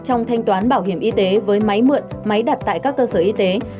trong thanh toán bảo hiểm y tế với máy mượn máy đặt tại các cơ sở y tế